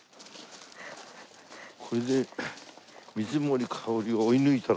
これで水森かおりを追い抜いたら。